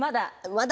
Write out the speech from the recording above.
まだ？